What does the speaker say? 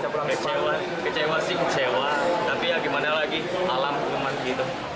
kecewa sih kecewa tapi ya gimana lagi alam gimana gitu